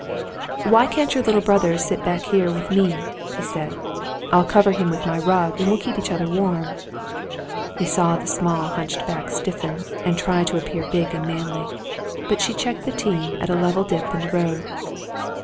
"Why can't your little brother sit back here with me V he said; "I'll cover him mth my rug, and we'll keep each other warm." He saw the small hunched back stiffen, and try to appear big and manly, but she checked the team at a level dip in the road.